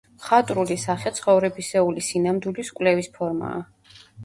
მხატვრული სახე ცხოვრებისეული სინამდვილის კვლევის ფორმაა.